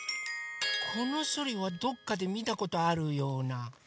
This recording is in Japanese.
このソリはどっかでみたことあるような。